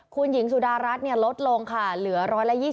คุณหญิงสุดารัฐลดลงค่ะเหลือ๑๒๐